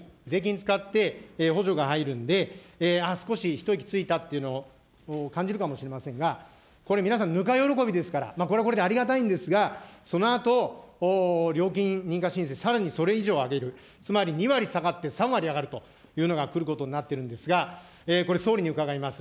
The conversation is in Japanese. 使って補助が入るんで、ああ、少し一息ついたということを感じるかもしれませんが、これ、皆さん、ぬか喜びですから、これはこれでありがたいんですが、そのあと、料金認可申請、さらにそれ以上上げる、つまり２割下がって、３割上がるというのが来ることになってるんですが、これ、総理に伺います。